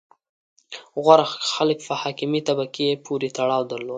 • غوره خلک په حاکمې طبقې پورې تړاو درلود.